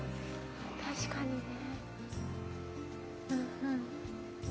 確かにね。